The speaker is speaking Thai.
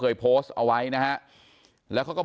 ก็ได้รู้สึกว่ามันกลายเป้าหมาย